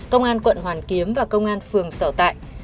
công an quận hoàn kiếm và công an phường sở tại